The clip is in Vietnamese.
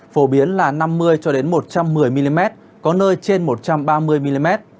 phổ biến là năm mươi một trăm một mươi mm có nơi trên một trăm ba mươi mm